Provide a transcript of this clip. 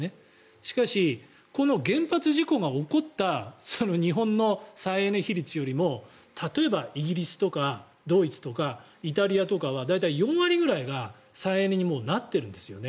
しかし、この原発事故が起こった日本の再エネ比率よりも例えば、イギリスとかドイツとかイタリアとかは大体、４割くらいが再エネになってるんですね。